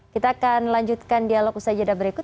kita akan lanjutkan dialog usai jeda berikut